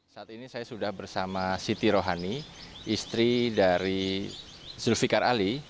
saat ini saya sudah bersama siti rohani istri dari zulfiqar ali